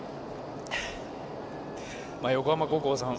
横浜高校さん